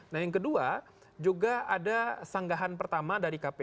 nah yang kedua juga ada sanggahan pertama dari kpu